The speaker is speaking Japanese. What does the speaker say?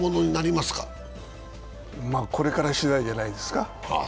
まあ、これから次第じゃないですか。